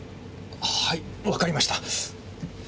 はいわかりました！